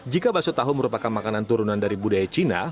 jika bakso tahu merupakan makanan turunan dari budaya cina